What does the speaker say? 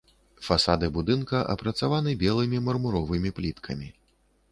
Фасады будынка апрацаваны белымі мармуровымі пліткамі.